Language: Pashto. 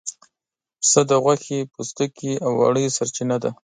پسه د غوښې، پوستکي او وړۍ سرچینه ده.